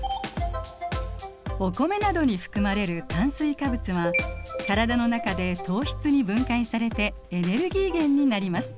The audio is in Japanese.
お米などに含まれる炭水化物は体の中で糖質に分解されてエネルギー源になります。